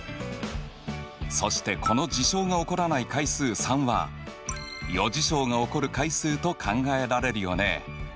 そしてこの事象が起こらない回数３は余事象が起こる回数と考えられるよね。